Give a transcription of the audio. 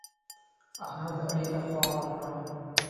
احمد؛ علي ته خوا ورکړه.